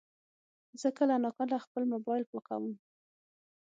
زه کله ناکله خپل موبایل پاکوم.